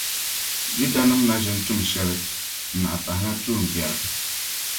Judanim’ na ʒi n-tum shɛli n-naɣi pahila tuumbiɛri.